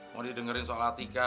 mau didengerin soal adhika